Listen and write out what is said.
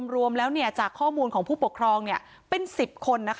รวมแล้วจากข้อมูลของผู้ปกครองเป็น๑๐คน